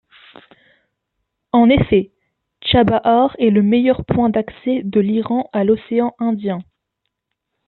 En effet, Tchabahar est le meilleur point d'accès de l'Iran à l'océan Indien.